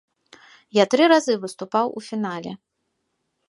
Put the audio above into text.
Я тры разы выступаў у фінале.